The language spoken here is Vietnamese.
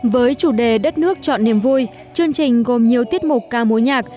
với chủ đề đất nước chọn niềm vui chương trình gồm nhiều tiết mục ca mối nhạc